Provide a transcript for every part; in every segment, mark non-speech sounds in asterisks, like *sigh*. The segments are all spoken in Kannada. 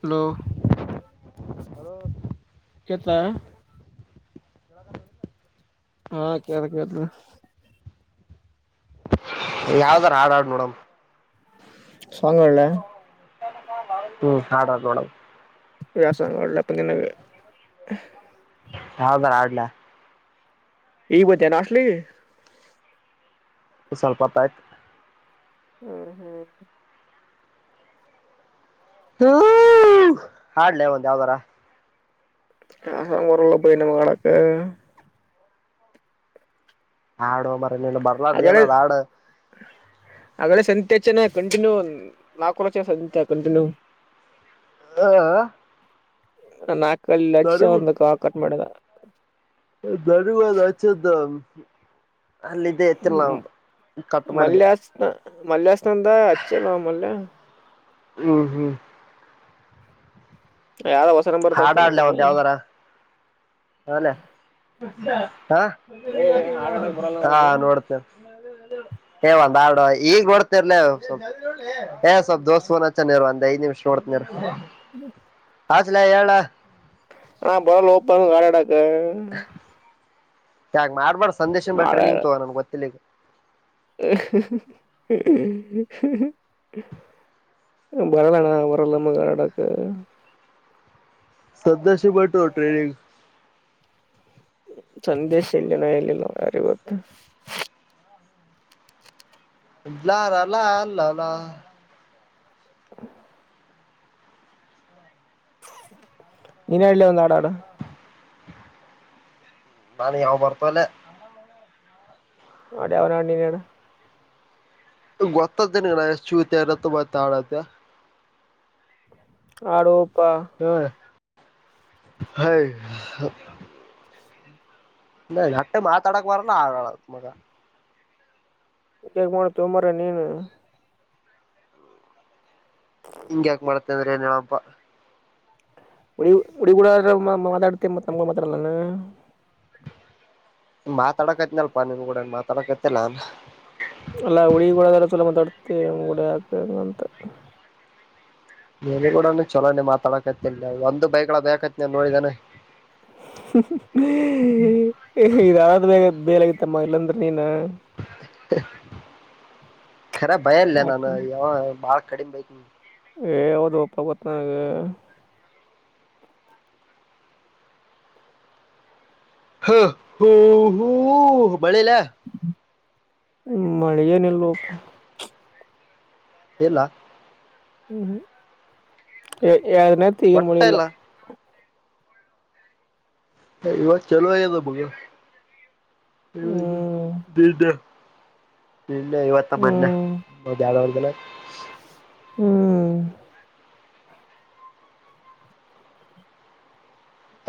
ಹಲೋ ಹಲೋ ಕೆತ್ಲಾ ಹಾ ಕ ಕರು *unintelligible* ಯಾವ್ದರ ಹಾಡಾಡ್ ನೋಡಮ. ಸಾಂಗ್ ಹಾಡು ಲೆ ಹ್ಮ್ ಹಡ ತಡ ಯಾವ ಸಾಂಗ್ ಹಾಡಲೆಪಾ ನಿನಗ. ಯಾವುದರ ಹಾಡಲಾ ಈಗ ಬತ್ತೆನ ಹಾಷ್ಟಲಿಗೀ ಸ್ವಲ್ಪತ್ತಯ್ತು ಹ್ಮ್ ಹ್ಮ್ ಹ್ಮ ಹಾಡ್ಲೆ ಒಂದ ಯಾವದರ. ಹಸ ಬರಲ್ಲ ಪಯ ನಮ್ಮ ಮಾಡಳಕ *unintelligible* ಹಾಡು ಮಾರಯ ನೀನು ಅಗಳೇ ಬರ್ಲಾರ್ದೇನದ ಹಾಡ. ಇಚ್ಚನೆ ಕಂಟಿನ್ಯೂ ನಾಕೂಡಚ ಸಂತ ಕಂಟಿನ್ಯೂ ಹ ನಾಕಲ್ಲಿ ಲಕ್ಷ ಒಂದ ಕ ಕಟ್ ಮಾಡಿದ ಧನ್ವಾದ ಅಚ್ಚದ ಅಲ್ಲಿ ಇದೇ ಎತ್ತಲ್ಲ ಒದು ಕಟ್ ಮಾಡಿದ್ದ ಮಲ್ಲೆಸ್ತಂದ ಹಚ್ಚಲ್ಲ ಮಲ್ಲೆ ಹ್ಮ್ ಹ್ಮ್ ಯಾವಾರ ವಸರ ಪರ್ತತಾನ ಅಂತ ಹಲ ಹಾ ಏ ಹಾಡ್ ಆಡಕ್ ಬರಲ್ಲ ಹಾ ನಮಗ ನೋಡ್ತೇ ಏ ಒಂದ್ ಆರ್ಡ್ ಈಗ ಹೊಡ್ತಿರ್ಲ ಸ್ವಲ್ಪ ಏ ಸ್ವಲ್ಪ್ ದೋಸ ನರ್ ಒಂದ್ ಐದ್ ನಿಮಿಷ ಹೊಡ್ತನರ್ ಹ್ಮ ಆಜಲ ಏಳ ಹಾ ಬರಲ್ಲ ಹಓಪಂಗ ಕಡಡಾಕ್ಕ ಯಾಗ ಮಾಡ್ಬಾರು ಸಂದೇಶ ಬ ಟ್ರನಿಂಗ್ ತಗೋ ನಮ್ ಗೊತ್ತಿಲ್ಲಲಿಕ್ಕೆ ಹು ಹೂ ಬರಲ್ಲಣಾ ಬರಲ್ಲಮ್ಮ ಕರಡಾಕ ಸದ್ಯ ಶ ಬಟು ನಿಂಗ ಸಂದೇಶ ಇಲ್ಲಿ ನ ಇಲ್ಲ ಯಾರವತ್ತ ಲ್ಲಾರಲ್ಲಾ ಅಲ್ಲ ಅಲ್ಲ ನಿನಡಲ್ಲ ಒಂದು ಆಡ ಆಡ ಎಾನ ಯಾವ ಬರತಲ್ಲ ಆಡ ಅವನ ಅಟನಣ ಗೊತ್ತತ್ತನ ಎಷ್ಟು ಚೂತ ತಂಬತ ಆಡತ ಆ ಹ ಹ್ ನ ನಟ್ಟ ಮಾತ ಅಡಕ್ವರಲ್ಲ ಆಗ ಮಗ ಕೇಗ್ ಮಾಡ ತುಂಬ್ರ ನೀನು ಇವರ ನಿಳಪಾ ಹಡಿ ಹುಡಿಗೂಡ ಮಾತಾಡ್ತೆ ಮತ್ ನಮ್ ಮಾತಾಡಲ್ಲಾನ ಮಾತಾಡಕತ್ನಲ್ಪ ನೀಕೂಡ ಮಾತಾಡಕತ್ತಲ್ಲ ಅ ಅಲ್ಲಾ ಹುಡಿಕೂಡದಾರ ಚಲೋ ಮಾತಾಡ್ತಿಂಗ್ ಗೂಡ ಹಾಕ್ಂಗಂತ ನೀ ಕೂಡ ಚಲೋನೆ ಮಾತಾಡಕತಿ ಇಲ್ಲ ಒಂದು ಬೈಗಳ ಬೇಕತಿ ನನ್ ನೋಡಿದಾನೆ ಇದ ಯಾರ್ದ ಬೇಗ ಬೇಲಗತ್ತಮ್ಮ ಇಲ್ಲಾಂದ್ರೆ ನೀನ ರ ಭಯನ್ಲನಾನ ಬಳ ಕಡಿ ಬೈ ಏ ಯಾವದು ಒಪ್ಪ ಗೊತ್ತ ನನಗೆ ಹ ಹೂ ಹೂ ಬಳಲ ಹ್ಮ ಮಳೆ ಏನಲ್ವಪ್ಪ ಎಲ್ಲ ಹ್ಮ್ ಹ್ಮ ಯಾರನೇ ತಗಿನ ಒಟ್ಟ ಮೊಳಿಲ್ಲ ಇಲ್ಲ ಇವಾಗ ಚಲ ಆ ಬ ಹ್ಮ್ ದ ಇನ್ನ ಇವತ್ತ ಮದ ಹ್ಮ್ ಮ್ಯಾಳವರ್್ದಲ್ಲ ಹ್ಮ್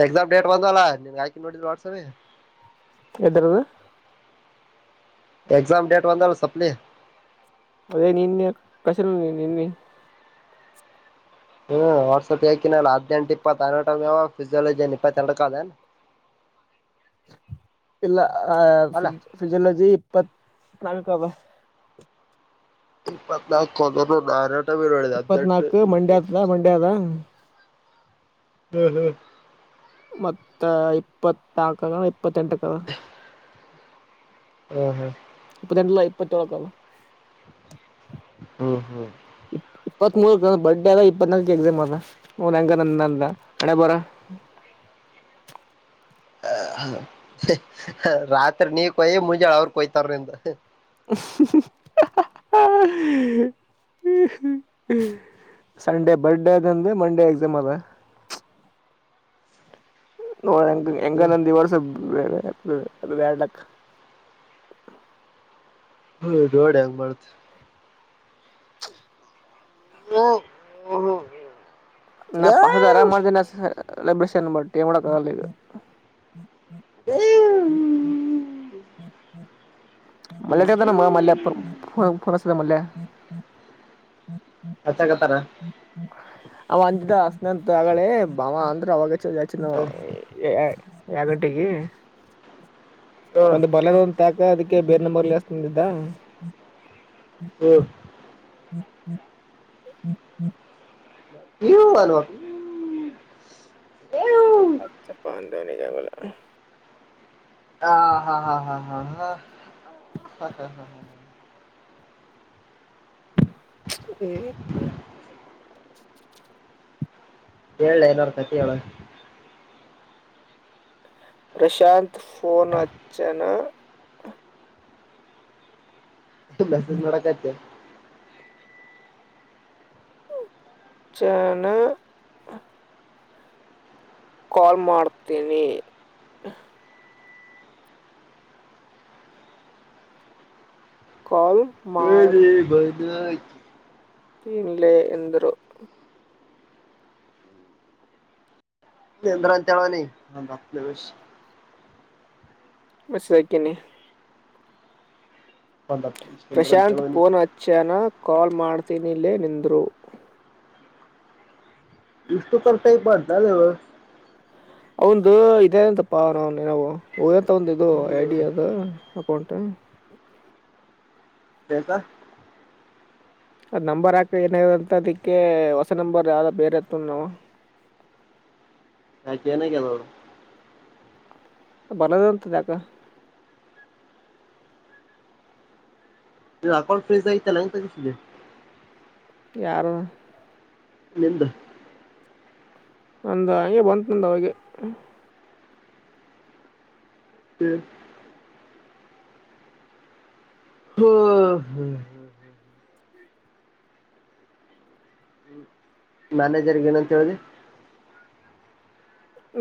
ಎಕ್ಸಾಮ ಟ್ ಬಂದಲ್ಲ ನೀ ನೋಡಿ ವಾಟ್ಸಪ ಎ್ದ ಎಕ್ಸಾಮ ಡೇಟ್ ಒಂದಂದಲ್ಲ ಸಪ್ಲಿ ಅದೇ ನಿನ್ನೆ ಕಸರ ನಿನ್ನೆ ಹ್ಮ್ ವರ್ಸತ್ ಹಾಕಿನಲ್ಲ ಹದ್ನೆಂಟು ಇಪ್ಪತ್ತತ್ದಿನೆಂಟಾವ ಫಿಯೋಲಜಿ ನ್ ಇಪ್ಪತ್ತೆರಡ ಅದನ್ ಹ ಇಲ್ಲ ಆ ಅಲ್ಲ ಫ್ರಿಜ್ ಫ್ರಿಜ್ಲ್ಲಜಿ ಇಪ್ಪತ್ತ್ ನಲ್ಕ ಇಪ್ಪತ್ನಾಲ್ಕ ಕೊಂದ ನಾರಟ ಬೀಡ ಅಟ್ ಇಪ್ಪತ್ನಾಲ್ಕು ಇಪ್ಪ ಮಂಡ್ಯ ಆತದ ಮಂಡ್ಯ ಅದ ಹ್ಮ್ ಹ್ಮ್ ಮತ್ತ ಇಪ್ಪತ್ಾಕ ಇಪ್ಪತ್ತೆಂಟಕದ ಹ್ಮ್ ಹ್ಮ್ ಇ ಲ್ಲ ಇಪ್ಪಟ್ಟಳಕ್ಕಲ್ಲ ಹ್ಮ್ ಹ್ಮ್ ಇಪ್ಪತ್ ಮೂರ್ಕ್ ಬರ್ಡ ಅದ ಇಪ್ಪತ್ನಾಲ್ಕ ಎಕ್ಸ್ ಅದ ಹ್ಂಗ ನಂದಂದ ಹಣೆ ಬರ *inaudible* ಹ ರಾತ್ರಿ ನೀ ಕೊಯಿ ಮುಂಜಳೆ ಅವ್ರ ಕೊಯ್ತಾರ್ರಂತ *inaudible* ಸಂಡೇ ಬರ್ಡೇ ಅದಂದು ಮಂಡೇ ಎಕ್ಸಾಮ್ ಅದ *inaudible* ನೋಂಗ ಹೆಂಗ ನಂದ ಇ ವರ್ಸ ಹ್ಮ್ ಅದು ವೇಡಕ್ಕೆ ಹ್ಮ ಡೋಡ್ ಹೆಂಗ ಮಾಡತ್ *inaudible* ಹ್ಮ ಹ್ಮ ಹ್ಮ್ ಹ್ಮ ನಾ ಪಸದ ಆರಾಮ್ ಮಾಡ್್ದೇ ನ ಲ್ಯನ್ ಬಟ್ಟು ಮಾಡಡಕ್ ಆಗಲ್ಲದು ಹ್ಮ ಹ್ಮ ಹ್ಮ ಮಯ ಚದಾನ ಹ್ಮ್ ಮಲ್ಲೋನ್ ಮಲ್ಲ ಹಚ್ಚಾಗತ್ತಾರ ಅವ ಅಂತಿದ್ದ ಅಸನಂತ ಆಗಳೆ ಬಾಮ ಅಂದ್ರ ಅವಾಗ ಚ ನ ಹ ಯ ಗಂಟೆಗೆ ಹ ಒಂದು ಬಲದ ಒ್ ತಾಕ ಅದಕ್ಕೆ ಬೇರೆ ನಂಬರ್ಲ್ಲಿ ಎಷ್ಟಂದಿದ್ದ ಹ್ಮ ಹ್ಮ್ ಹ್ಮ್ ಹ್ಮ್ ಹ್ಮ್ ನೀ ಮಾಡಲು ಅು ಅಾ ಪಾನ್ಧನ ಜಂಗಲ ಹಾ ಹಾ ಹಾ ಹಾ ಹಾ ಹಾ ಹ ಹ್ಮ ಕ ಏನರ್ಥತಿೇಳ ಪ್ರಶಾಂತ್ ಫೋನ್ ಅಚ್ಚನಾ ಮಸೇಜ್ ನಕ್ಕಾತ್ತ ಚನಾ ಕಾಲ್ ಮಾಡ್ತೇನಿ ಕಲ್ ಹೇಳರಿ ಬ ಲ್ಲೇ ಎಂದರುೂ ಎಂದ್ರ ಅಂತಳ ನೀ ಬಿವಷ ಬಸಕನಿ ಒಂದ್ ಹತ್ತು ನಿಮಿಷ ನಿಂದ್ರ ಅಂತ ಪ್ರಶಾಂತ್ ಹೇಳೋನಿ ಪಫೋನ್ ಅಚ್ಚನ ಕಾಲ್ ಮಾಡ್ತೀನಿಿಲ್ಲೇ ನಿಂದ್ರು ಇಷ್ಟುಕತ ಇ ಬಡ್ತಲ್ಲವ ಒ ಇೇ ಅಂತಪ್ಪ ನಾವು ಹಂತ ಒಂದು ಇದು ಐಡಿಯ ಅದು ಕೊಟ ಕೆಸ ಅದ್ ನಂಬರ್ ಹಾಕ ಏನದಂತ ಅದಿಕ್ಕೆ ಹೊಸ ನಂಬರ್ ಯಾವ ಬೇರೆತ ನಾವವು ಹಾಕನಕ್ಕೋಡು ಬರದ ಅಂತದ ಯಕ ಅಕಲ್ಫ್ರೀಜ ಇಲ್ಲಿಸಿ ಯಾರು ನಿಿಂದ ಒಂದ ಹಗೆ ಬಂತಂದ ಅವೆ ಹ್ಮ ಹ್ಮ ಹಾ ಮ್ಯಾನೇಜರ್ಗೆ ಏನಂತ ಹೇಳ್ದಿ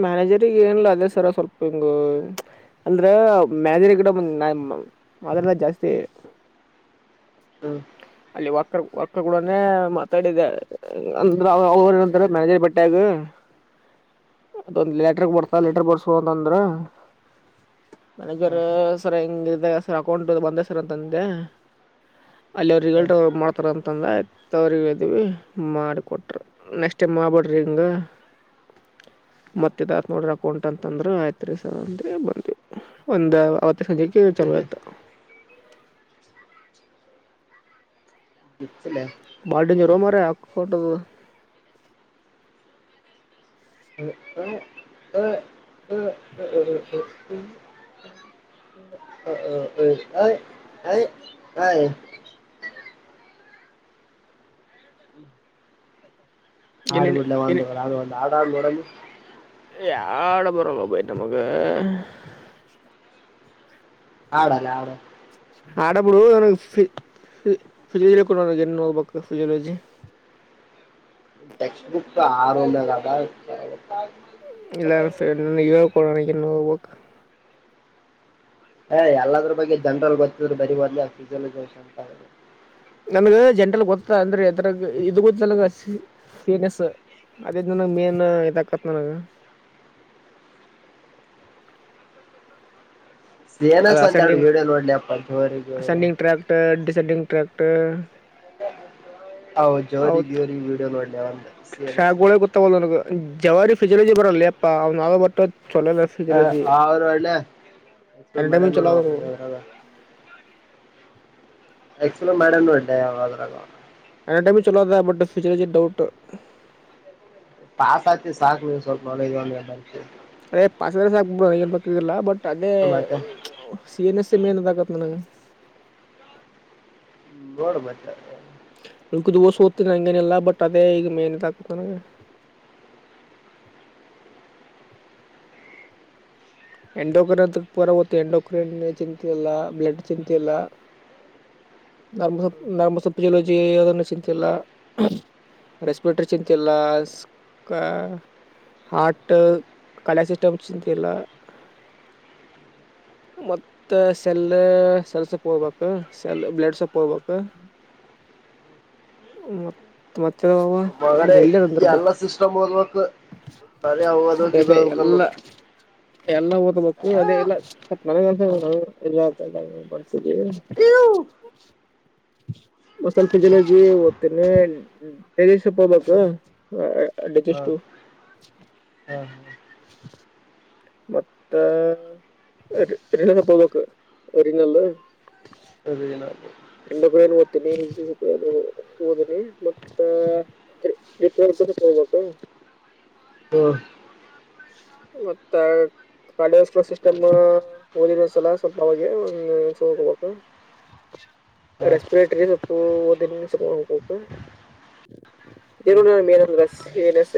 ಮ್ಯಾನೇಜರ್ಗ ಏನ್ಲ ಅದೇ ಸರ ಸ್ವಲ್ಪ ಹಿಂಗ ಅಂದ್ರ ಮ್ಯಾನೇಜರ್ ಕಡಂದ್ ಮಾದಲ್ಲ ಜಾಸ್ತಿ ಹ್ಮ ಅಲ್ಲಿ ವಾಕರ್ ವಾಕರ್ ಕೂಡ ಮಾತಾಡಿದ್ದ ಅಂದಂತ ಮ್ಯಾನೇಜರ್ ಬಟ್ಟೆಗ ಅದೊಂದು್ ಲೆಟರ್ ಬರ್ತಾ ಲೆಟರ್ ಬರ್ಸುವ ಅಂತಂದ್ರ ಮ್ಯಾನೇಜರ್ ಹ್ಮ್ ಸರ್ ಹೆಂಗ ಸರ್ ಅಕೌಂಟ್ ಬಂದೆ ಸರ್ ಅಂತಂದೆ ಅಲ್ಲಿ ಅವರು ರಿಸಲ್ಟ್ ಹ್ಮ್ ಮಾಡ್ತಾರ ಅಂತಂದ್ರವ್ರವಿ ಮಾಡಿಿಕೊಟ್ರ ನೆಕ್ಸ್ಟ್ ಮಾಬಿಡ್ರಿಂಗ ಹ ಮತ್ತದತ್ ನೋಡ್ರ ಅಕೌಂಟ್ ಅಂತ ಅಂದ್ರ ಆಯ್ತ್ ರಸ ಅಂದ್ರೆ ಬಂದ್ವಿ ಒಂದ್ ಅವತ್ತ ಸಂಜೆ ಚಲಯತ ಗಿಚ್ಚಿಲೆ ಬಾಳ ಡೇಂಜರ್ ಮಾರಾಯ ಅಕೌಂಟ್ ದ ಏನೇನು ಆಡ್ಬಿಡ್ಲ ಒಂದು ಒಂದು ಆಾಡಬೋಡ ಎಡ ಬರಂಗ ಭಯ ನಮಗೆ ಆಡಲ್ಲ ಆಡ ಆಡಬಡು ನನ ಫ ಫಿಜ ಕಡ ಏನ್ ನೋಡ್ಬೇಕು ಫಿಜಿಯೋಲಜಿ ಟೆಕ್ಸ್ಟ್ ಬುಕ್ ತ ಆರು ಇಲ್ಲ ಇವ ಕೊಡಾಣ ಹ ಎಲ್ಲದ್ರ ಬಗ್ಗೆ ಜನರಲ್ ಗೊತ್ತಿದ್ರು ಬರಿ ಬದಲ ಫಿಯಲಜ ಅಂತ ನಮಗ ಜಂಟಲ್ ಗೊತ್ತ ಅಂದ್ರೆ ಎದರ ಇದದು ಗೊತ್ತಲ್ ಹ ಸ್ ಅದೇ ನನ ಮೇನ್ ಇಾಕತ್ ನನಗೆ ಅದ ಸೇನಸ್ ಒಂದೆರಡು ಅಸೆಂಡಂಗ್ ವಿಡಿಯೋ ನೋಡ್ಲಿ ಅಪ್ಪ ಜೋರಿಗೂ ಅಸೆಂಡಂಗ್ ಟ್ರ್ಯಾಕ್ಟ್ ಸೆಡಿಂಗ ಟ್ರಾಕ್ಟರ್ ಹ ಜೋರಿಗೆ ಜೋ ವಿೀಡಿಯೋ ನೋಡ್ಲಿ ಒಂದು ಸನ ಸ ಟ್ರ್ಯಾಕ್ಗಳೇ ಗೊತ್ತಾವಲ್ಲ ನನಗ ಜವಾರಿ ಫಿಜಿಲೋಜಿ ಬರಲ್ಲ ಅಪ್ಪಾ ಅವ್ ನಾವು ಬರ್ಟ್ಟ ಚಲೋಲ್ಲ ಫಿಜಲಜಿ ಅವ್ರು ಒಳ್ಳೆ ಎಕ್ಸ್ಪ್ಲೋರ್ ಎಟೈಮ ಮಾಡ್ಯಾನ ಚಲ ನೋಡು ಅವ ಯಾವ್ದ್ರಾಗ ಎಕ್ಸ್ಲ ಮಾಡಣ ಇಡ್ಡೆದ್ರ ಅನಡೆಮಿಕ್ ಚಲೋ ಬಟ್ ್ಯಚರ ಡೌಟ್ ತಾಸ್ ಆತಿ ಸಾಕ ಸ್ವಲ್ಪ ನ ಅದೇ ಪಾಸ್ ವರ್ಡ್ ಸಾಕ್ ಬಿಡು ಏನು ಬೇಕಾಗಿಲ್ಲ ಬಟ್ ಅದೇ ಮತ್ತೆ ಸಿ ಎನ್ ಎಸ್ *unintelligible* ಹು ನೋಡ ಮತ್ತೆ ನೂಕು ದೋಸ್ ಓದ್ತನ ಹಂಗೇನೆಲ್ಲಾ ಬಟ್ ಅದೇ ಈಗ ಮೇನದಾಕತ್ ನನಗೆ ಎಂಡೋಕ್ರೇನ್ ಪೂರತ್ತು ಎಂಡೋಕ್ರೇನ್ ಚಿಂತೆ ಇಲ್ಲ ಬ್ಲಡ್ ಚಿಂತೆ ಇಲ್ಲ ನಾಮ ಸ ನರ್ಮ ಸಪ್ಪ ಜಲೋಜಿ ಯಾದನ್ನು ಚಂತಿಲ್ಲ ರೆಸ್ಪಿರೇಷನ್ ಕಲ್ಲ ಸ್ ಹಾರ್ಟ್ ಕಲಾಸಿಸ್ಟಮ್ ಚಿಂತಲ್ಲ ಹ ಮತ್ತ ಸೆಲ್ ಸೆಲ್ ಸೊಪ್ಪ ಹೋಗ್ಬೇಕು ಸೆಲ್ ಬ್ಲಡ್ ಸೊಪ್ ಹೋಗ್ಬೇಕು ಹ ಮ ಮತ್ತೆ ಇ ಮಗನೇ ಇಳ್ಳಿಯಾರ ಅಂದ್ರ ಎಲ್ಲ ಬುಕ್ ಸಿಸ್ಟಮ್ ಓದ್ಬೇಕು ಬರೇ ಅವು ಅದೇ ಓದ್ಬೇಕು ಇದು ಅದೇ ಓದ್ಬೇಕು ಎಲ್ಲ ಅನ್ನೋದು ಎಲ್ಲ ಓದ್ಬೇಕು ಅದೇ ಎಲ್ಲ ಒ ಸ್ವಲ್ಪ ಜಲಜಿ *unintelligible* ಡರೆ ಸ್ವಲ್ಪ ಹಬೇಕ ಅಡ್ಡಜಷ್ಟು ಹಾ ಹಾ ಮತ್ತೆ ಎರಿನ ಸಂಪ ನಕ್ ಎರಿನಲ್ಲ ಅದ ಏನು *unintelligible* ಭಟ್ ಕೇಳ್ಬೇಕು ಹ್ಮ ಮತ್ತ ಕಾಲೇಜು ಸಿಸ್ಟಮ್ ಓದಿರೋ ಸಲ ಸ್ವಲ್ಪ ಅವೆಗ ಒಂದನ್ಸ ಹೋಗ್ಬೇಕು ರೆಸ್ಪಿರೇಟರಿ ಸೊಪ್ಪು ದ ಸಕ ಜನೋ ನ ಮನ ಹಏನಸ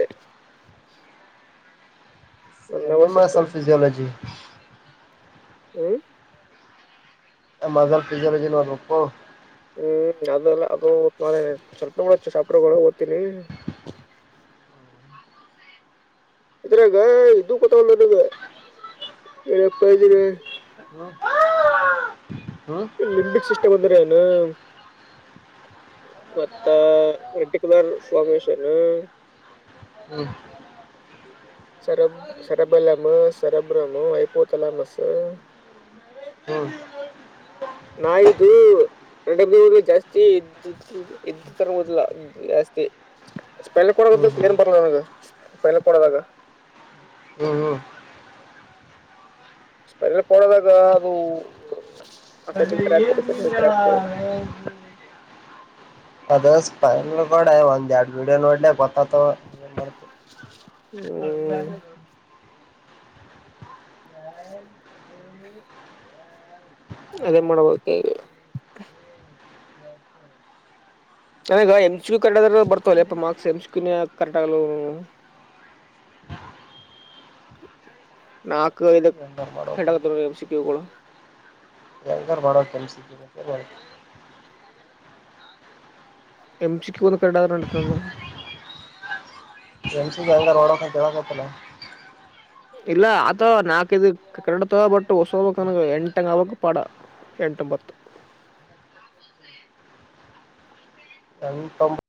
ಎ ನರ್ವಸ್ ಸಿಸ್ಟಮ್ ನಿಮ್ಮಸಲ್ ಫಿಸಿಯಾಲಜಿ ಹ್ಮ್ ಮಜಾಲ ಫಿಜಲ್ ಏನ ಆಗಬೇಕು ಹ್ಮ್ ಅದೆಲ್ಲ ಅದು ಮ ಸ್ವಲ್ಪ ಚಾಪ್ಟರ್ ದೊಳಗೆ ಓದತಿನಿ ಹ ಇದ್ರಾಗ ಇದು ಕತಲ್ಲದ ಪ್ಪ ಅಪ್ಪಾಜಿ ಹ್ಮ್ ಹ್ಮ್ ಲಿಂಬಿಕ್ಸ್ ಸಿಸ್ಟಮ್ ಅಂದ್ರೆ ಏನ್ ಮತ್ತ ರರ್ಟಿಕ್ಯುಲರ್ ಫಾರ್ಮೇಶನ್ ಹ್ಮ್ ಸರಬ್ ಸರಬಲಮ ಸರಬ್ರಮು ಐಪೋತಲಮಸು ಹ್ಮ್ ನಾಯ್ದು ಜಾಸ್ತಿ ಇದ ಇದ ತರದಿಲ್ಲ ಜಾಸ್ತಿ ಸ್ಪೆಲಿಂಗ್ ಹ್ಮ್ ಹ್ಮ್ ಕೂಡ ಏನ್ ಬರ್ಲ *unintelligible* ಹ್ಮ ಸ್ಪರಿ ಕೊಡದಾಗ ಅದು ಆಸೈ ಟ್ರ್ಯಾಕ್ ಟ್ರ್ಯಾಕ್ ಅದ ಸ್ಲ್ ಕೋಡ ಒಂದ್ ಎರಡ್ ವೀಡಿಯೋ ನೋಡ್ಲೆ ಗೊತ್ತ ಅತ್ ಮ ಮಾಡತ ಹ್ಮ್ ಅದೇನ್ ಮಾಡಬೇಕ ಈಗ ನನಗ ಎಮ ಕ್ಯು ಕರೆಕ್ಟ್ ಆದ್ರ ಬರ್ತವಲ್ಲ ಮಾರ್ಕ್ಸ್ ಎಂಮಸ ಕ ಕರೆಕ್ಟ್ ಆಗ ನಾಲ್ಕು ಐದು ಕಟ್ ಮಾಡ್ತಿ ಸಿಟಿಗಳು ಬ ಕೆಲ್ಸ ಎಂಚಿಕ್ ಒಂದ ಕರಟಾದಂಡತ ಎಂಸಿ ಜಾಗಾಗ ರಡಕಾ ಚೇಳಾಗತಲ್ಲ ಇಲ್ಲ ಆತ ನಾಕೈದು ಕಡತ ಬಟ್ ಹೊಸ ಹ ನನ ಎಂಟಂಗ ಆಕ್ ಪಾಡ ಎಂ ಒಟೊಂಬತ್ತು ಹ ಎಂಟ ಒಂಬತ್ತು